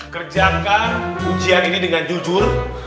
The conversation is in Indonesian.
kerjakan ujian ini dengan jujur